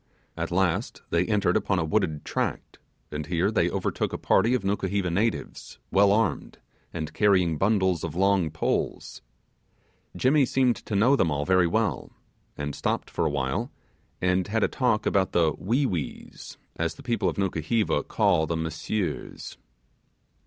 At last they entered upon a wooded tract, and here they overtook a party of Nukuheva natives, well armed, and carrying bundles of long poles. Jimmy seemed to know them all very well, and stopped for a while, and had a talk about the 'Wee Wees', as the people of Nukuheva call the Monsieurs.